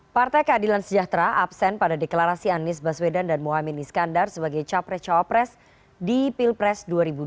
partai keadilan sejahtera absen pada deklarasi anies baswedan dan muhaymin iskandar sebagai capres cawapres di pilpres dua ribu dua puluh